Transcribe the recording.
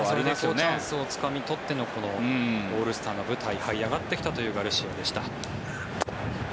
チャンスをつかみ取ってのオールスターの舞台にはい上がってきたというガルシアでした。